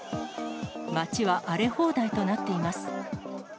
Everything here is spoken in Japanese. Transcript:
街は荒れ放題となっています。